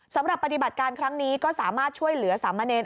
สำหรับปฏิบัติการครั้งนี้ก็สามารถช่วยเหลือสามเณร